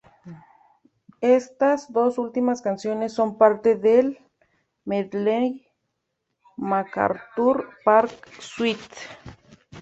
Estas dos últimas canciones son parte del medley "MacArthur Park Suite".